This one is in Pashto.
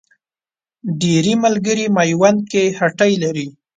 ډېری ملګري میوند کې هټۍ لري.